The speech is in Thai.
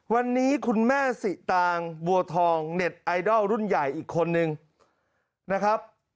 วันนี้คุณแม่สิตางบัวทองเน็ตไอดอลรุ่นใหญ่อีกคนนึงนะครับ